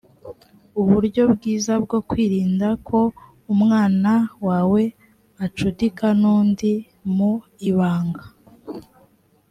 uburyo bwiza bwo kwirinda ko umwana wawe acudika n undi mu ibanga